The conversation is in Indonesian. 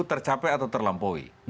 tercapai atau terlampaui